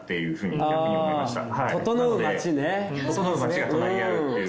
ととのう街が隣にあるっていう。